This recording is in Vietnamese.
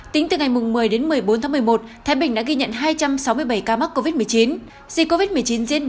tính từ ngày một mươi một mươi bốn một mươi một thái bình đã ghi nhận hai trăm sáu mươi bảy ca mắc covid một mươi chín